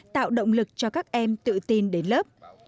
tạo động lực cho các em tự tin đến lớp